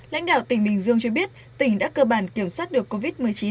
lãnh đạo tỉnh bình dương cho biết tỉnh đã cơ bản kiểm soát được covid một mươi chín